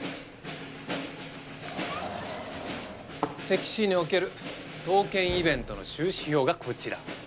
関市における刀剣イベントの収支表がこちら。